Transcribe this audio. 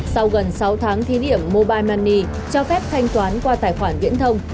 sau gần sáu tháng thí điểm mobile money cho phép thanh toán qua tài khoản viễn thông